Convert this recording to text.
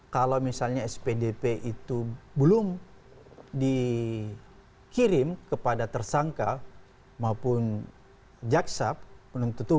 kalau misalnya spdp itu belum dikirim kepada tersangka maupun jaksa penuntut umum